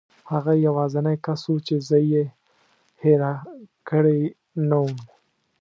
هغه یوازینی کس و چې زه یې هېره کړې نه وم.